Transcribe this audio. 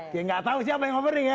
ya gak tau siapa yang offering ya